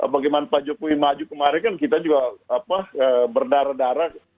bagaimana pak jokowi maju kemarin kan kita juga berdarah darah